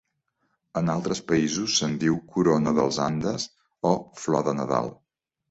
En altres països se'n diu Corona dels Andes o Flor de Nadal.